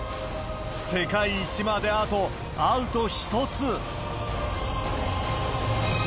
世界一まであとアウト１つ。